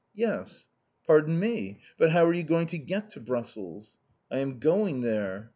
"Yes." "Pardon me! But how are you going to get to Brussels?" "I am going there."